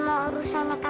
pak kurut graph